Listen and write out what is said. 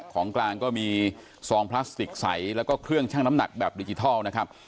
ของกลางก็มีซองพลาสติกใสแล้วก็เครื่องชั่งน้ำหนักแบบดิจิทัลนะครับ